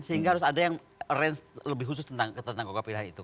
sehingga harus ada yang lebih khusus tentang kogak wilhan itu